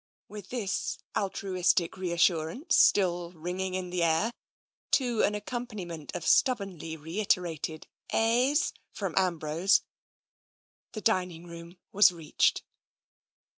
With this altruistic reassurance still ringing in the ii TENSION 8i air, to an accompaniment of stubbornly reiterated ehs " from Ambrose, the dining room was reached.